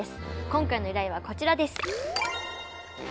今回の依頼はこちらです。